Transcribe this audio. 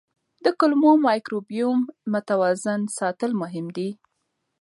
د کولمو مایکروبیوم متوازن ساتل مهم دي.